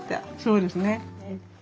そうですね。